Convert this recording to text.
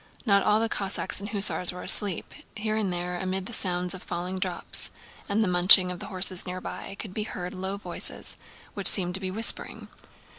Not all the Cossacks and hussars were asleep; here and there, amid the sounds of falling drops and the munching of the horses near by, could be heard low voices which seemed to be whispering.